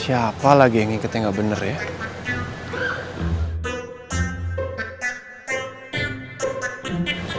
siapa lagi yang ngiketnya gak bener ya